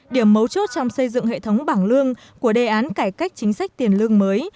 điểm mấu chốt trong xây dựng hệ thống bảng lương của đề án cải cách chính sách tiền lương mới